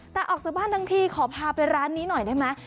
แต่ออกจากบ้านทั้งทีขอพาไปร้านนี้หน่อยได้ไหม